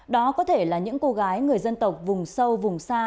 đó có thể là những cô gái người dân tộc vùng sâu vùng xa